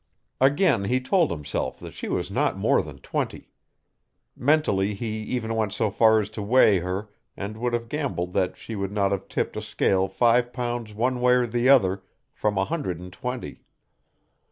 Again he told himself that she was not more than twenty. Mentally he even went so far as to weigh her and would have gambled that she would not have tipped a scale five pounds one way or the other from a hundred and twenty.